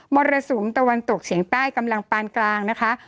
รสุมตะวันตกเฉียงใต้กำลังปานกลางนะคะ